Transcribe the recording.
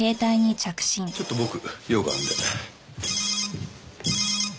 ちょっと僕用があるんで。